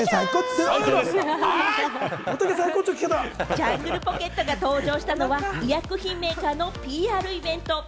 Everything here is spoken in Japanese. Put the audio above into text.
ジャングルポケットが登場したのは、医薬品メーカーのＰＲイベント。